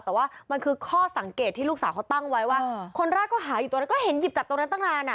แต่ว่ามันคือข้อสังเกตที่ลูกสาวเขาตั้งไว้ว่าคนแรกก็หาอยู่ตรงนั้นก็เห็นหยิบจับตรงนั้นตั้งนานอ่ะ